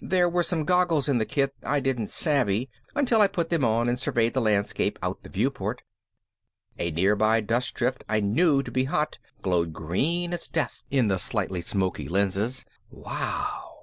There were some goggles in the kit I didn't savvy until I put them on and surveyed the landscape out the viewport. A nearby dust drift I knew to be hot glowed green as death in the slightly smoky lenses. Wow!